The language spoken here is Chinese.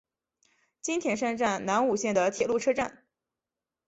津田山站南武线的铁路车站。